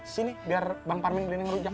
sini biar bang parmin beli nenek merujak